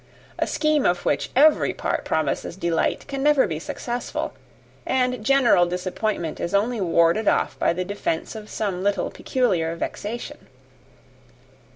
A scheme of which every part promises delight can never be successful; and general disappointment is only warded off by the defence of some little peculiar vexation."